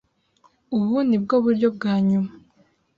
Ubu ni bwo buryo bwa nyuma.